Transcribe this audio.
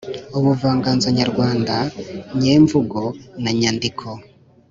ubuvanganzo nyarwanda nyemvugo na nyandiko